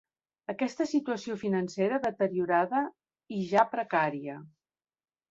Aquesta situació financera deteriorada i ja precària.